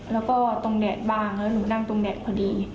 แล้วก็ตรงแท็ตบ้างแล้วหนูนั่งตรงแท็ตพอดี